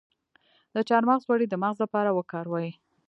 د چارمغز غوړي د مغز لپاره وکاروئ